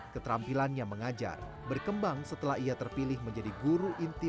keterampilannya mengajar berkembang setelah ia terpilih menjadi guru inti